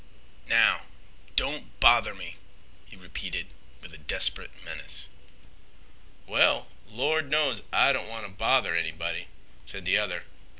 "Now, don't bother me," he repeated with desperate menace. "Well, Lord knows I don't wanta bother anybody," said the other.